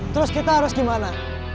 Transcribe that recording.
terus kita harus gimana